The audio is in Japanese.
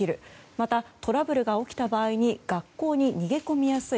また、トラブルが起きた場合に学校に逃げ込みやすい。